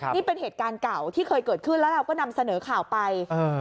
นี่เป็นเหตุการณ์เก่าที่เคยเกิดขึ้นแล้วเราก็นำเสนอข่าวไป